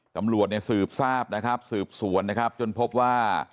ตำรวจเนี่ยสืบทราบนะครับสืบสวนนะครับจนพบว่า